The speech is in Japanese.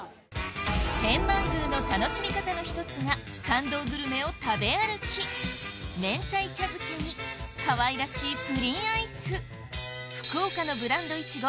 天満宮の楽しみ方の一つが参道グルメを食べ歩き明太茶漬けにかわいらしいプリンアイス福岡のブランド苺